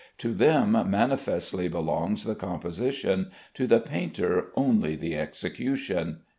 "To them manifestly belongs the composition, to the painter only the execution."